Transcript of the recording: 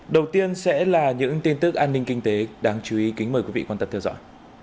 đầu tiên sẽ là những tin tức an ninh kinh tế đáng chú ý kính mời quý vị quan tâm theo dõi